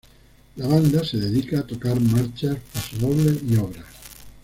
La banda se dedica a tocar marchas, pasodobles y obras.